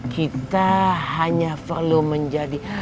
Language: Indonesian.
kita hanya perlu menjadi